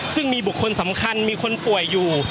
ซึ่งมีบุคคลสำคัญมีคนป่วยอยู่